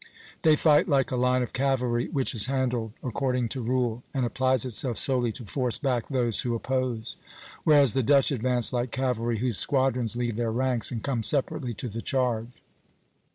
They fight like a line of cavalry which is handled according to rule, and applies itself solely to force back those who oppose; whereas the Dutch advance like cavalry whose squadrons leave their ranks and come separately to the charge."